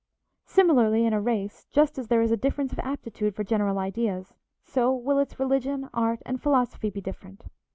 Similarly in a race, just as there is a difference of aptitude for general ideas, so will its religion, art, and philosophy be different.